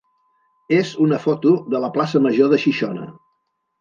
és una foto de la plaça major de Xixona.